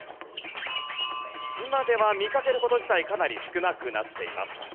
今では見かける事自体かなり少なくなっています。